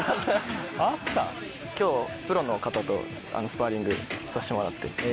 今日プロの方とスパーリングさせてもらって。